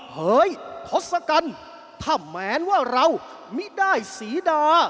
เฮ้ยทศกัณฐ์ถ้าแม้ว่าเรามิได้ศรีดา